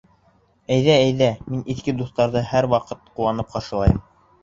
Әйҙә, әйҙә, мин иҫке дуҫтарҙы һәр ваҡыт ҡыуанып ҡаршылайым.